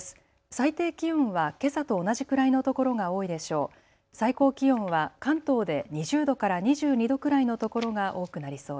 最低気温はけさと同じくらいのところが多いでしょう。